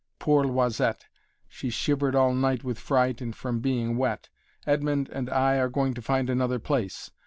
Poor 'Loisette' she shivered all night with fright and from being wet. Edmond and I are going to find another place.